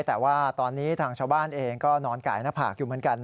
แต่ว่าตอนนี้ทางชาวบ้านเองก็นอนกายหน้าผากอยู่เหมือนกัน